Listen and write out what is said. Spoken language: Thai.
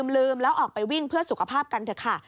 ลืมแล้วออกไปวิ่งเพื่อสุขภาพกันเถอะค่ะ